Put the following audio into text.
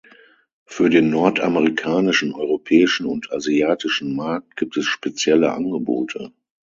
Für den nordamerikanischen, europäischen und asiatischen Markt gibt es spezielle Angebote.